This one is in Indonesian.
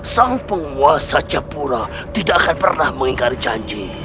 sang penguasa capura tidak akan pernah mengingat janji